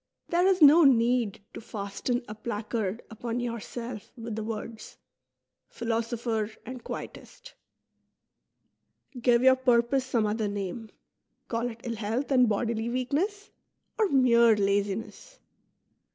There is no need to fasten a placard upon yourself with the words :" Philosopher and Quietist." Give your purpose some other name ; call it ill health and bodily weakness, or mere laziness.